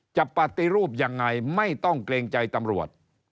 ปฏิรูปยังไงไม่ต้องเกรงใจตำรวจ